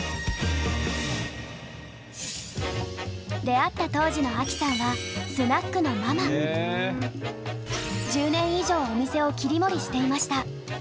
出会った当時のアキさんは１０年以上お店を切り盛りしていました。